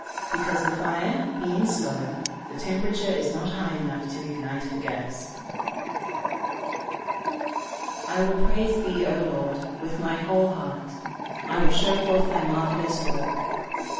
_ Because, the fire being slow, the temperature is not high enough to ignite the gas. [Verse: "I will praise thee, O Lord, with my whole heart; I will show forth thy marvellous work."